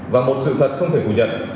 và một sự thật không thể phủ nhận